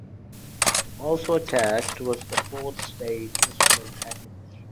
Also attached was the fourth stage instrument package.